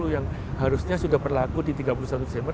yang harusnya sudah berlaku di tiga puluh satu desember